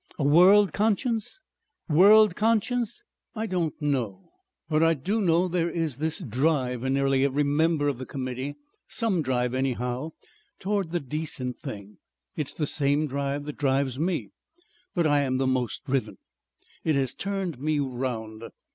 "A world conscience? World conscience? I don't know. But I do know that there is this drive in nearly every member of the Committee, some drive anyhow, towards the decent thing. It is the same drive that drives me. But I am the most driven. It has turned me round.